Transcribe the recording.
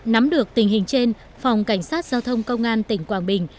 nắm được tình hình trên phòng cảnh sát giao thông công an tỉnh quảng bình